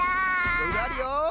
いろいろあるよ。